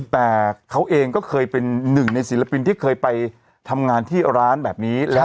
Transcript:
แต่เขาเองก็เคยเป็นหนึ่งในศิลปินที่เคยไปทำงานที่ร้านแบบนี้